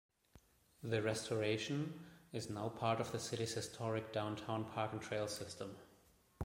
The restoration is now part of the city's historic downtown park and trail system.